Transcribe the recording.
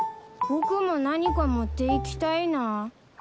僕も何か持っていきたいな。